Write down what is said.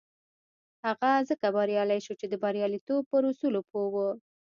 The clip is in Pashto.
هغه ځکه بريالی شو چې د برياليتوب پر اصولو پوه و.